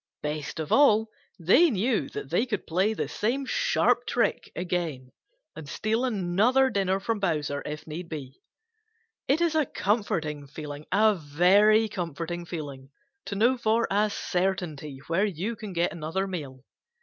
Best of all they knew they could play the same sharp trick again and steal another dinner from Bowser if need be. It is a comforting feeling, a very comforting feeling, to know for a certainty where you can get another meal.